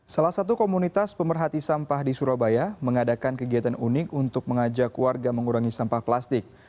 salah satu komunitas pemerhati sampah di surabaya mengadakan kegiatan unik untuk mengajak warga mengurangi sampah plastik